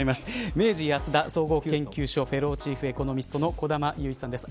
明治安田総合研究所フェローチーフエコノミストの小玉祐一さんです。